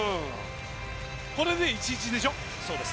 これで１−１でしょ。